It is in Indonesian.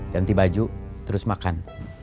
ganti baju terus makan